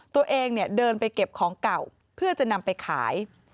ตัวเองเนี่ยเดินไปเก็บของเก่าเพื่อจะนำไปขาย